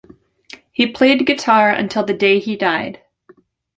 He played guitar until the day he died.